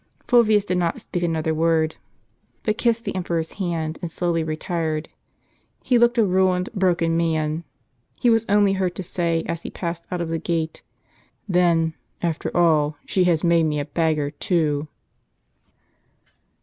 Fulvius did not speak another word; but kissed the emperor's hand and slowly i etired. He looked a ruined, broken man. He was only heard to say, as he passed out of the gate :" Then, after all, she has made me a beggar too."